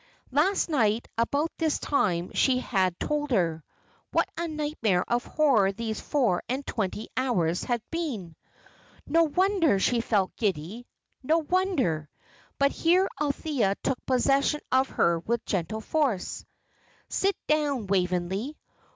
Last night about this time she had told her. What a nightmare of horror these four and twenty hours had been! No wonder she felt giddy no wonder but here Althea took possession of her with gentle force. "Sit down, Waveney.